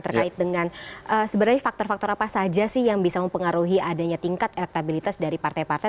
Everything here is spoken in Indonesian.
terkait dengan sebenarnya faktor faktor apa saja sih yang bisa mempengaruhi adanya tingkat elektabilitas dari partai partai